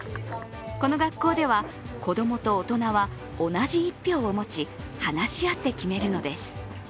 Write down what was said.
この学校では子供と大人は同じ一票を持ち話し合って決めるのです。